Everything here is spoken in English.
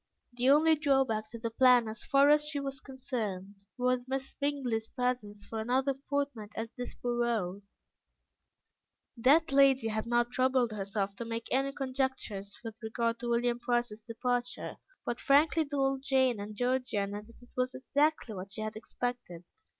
The only drawback to the plan, as far as she was concerned, was Miss Bingley's presence for another fortnight at Desborough. That lady had not troubled herself to make any conjectures with regard to William Price's departure, but frankly told Jane and Georgiana that it was exactly what she had expected.